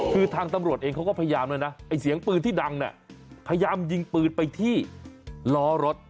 คือทางตำรวจเองเขาก็พยายามแล้วนะไอ้เสียงปืนที่ดังเนี่ยพยายามยิงปืนไปที่ล้อรถ